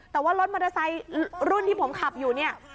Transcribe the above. แต่ว่ารถมอเตอร์ไซค์รุ่นที่ผมขับอยู่เนี่ย